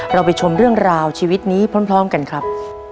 เราไปชมเรื่องราวชีวิตนี้พร้อมกันครับ